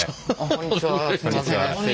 こんにちは。